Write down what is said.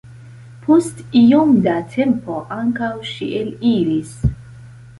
Post iom da tempo ankaŭ ŝi eliris.